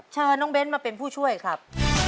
เชิญน้องเบ้นมาเป็นผู้ช่วยครับ